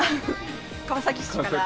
川崎市から。